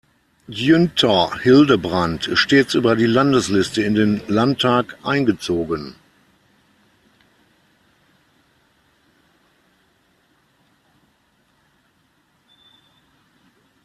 Günther Hildebrand ist stets über die Landesliste in den Landtag eingezogen.